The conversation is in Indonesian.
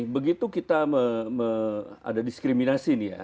begitu kita ada diskriminasi